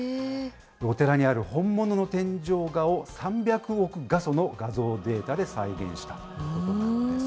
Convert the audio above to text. お寺にある本物の天井画を３００億画素の画像データで再現したということなんです。